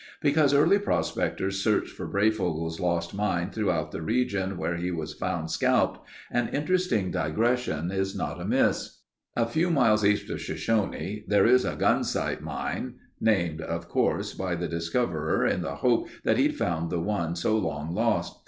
Because early prospectors searched for Breyfogle's lost mine throughout the region where he was found scalped, an interesting digression is not amiss. A few miles east of Shoshone, there is a Gunsight mine named, of course, by the discoverer in the hope that he'd found the one so long lost.